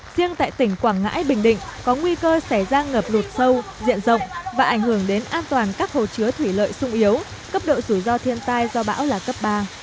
riêng tại tỉnh quảng ngãi bình định có nguy cơ xảy ra ngập lụt sâu diện rộng và ảnh hưởng đến an toàn các hồ chứa thủy lợi sung yếu cấp độ rủi ro thiên tai do bão là cấp ba